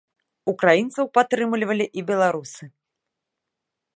Украінцаў падтрымлівалі і беларусы.